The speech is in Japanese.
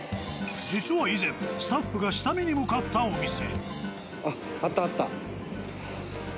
実は以前スタッフが下見に向かったお店。